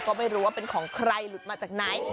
ก็ไม่รู้ว่าเป็นของใครหลุดมาจากไหน